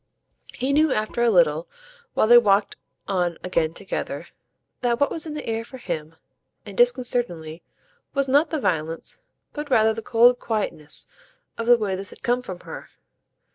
He knew after a little, while they walked on again together, that what was in the air for him, and disconcertingly, was not the violence, but much rather the cold quietness, of the way this had come from her.